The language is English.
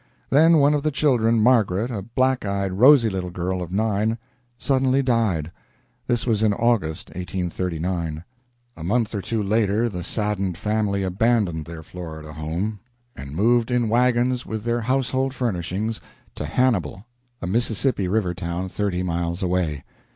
Then one of the children, Margaret, a black eyed, rosy little girl of nine, suddenly died. This was in August, 1839. A month or two later the saddened family abandoned their Florida home and moved in wagons, with their household furnishings, to Hannibal, a Mississippi River town, thirty miles away.